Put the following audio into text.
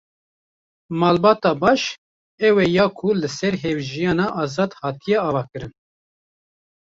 Malbata baş, ew e ya ku li ser hevjiyana azad hatiye avakirin.